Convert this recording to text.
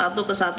jika tidak berlaku